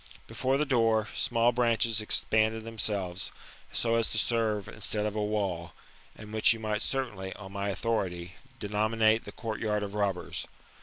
Before the door, small branches expanded themselves, so as to serve instead of a wall ; and which you might certainly, on my authority, denominate the court yard of robbers.